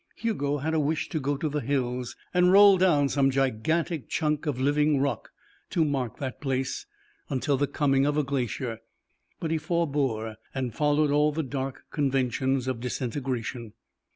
Hugo had a wish to go to the hills and roll down some gigantic chunk of living rock to mark that place until the coming of a glacier, but he forbore and followed all the dark conventions of disintegration.